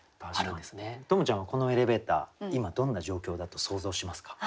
十夢ちゃんはこのエレベーター今どんな状況だと想像しますか？